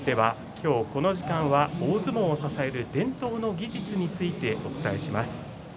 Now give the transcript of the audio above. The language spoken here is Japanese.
今日この時間は大相撲を支える伝統の技術についてお伝えします。